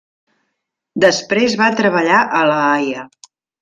Després va treballar a La Haia.